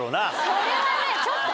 それはねちょっと。